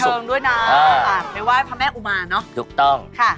ถูกต้อง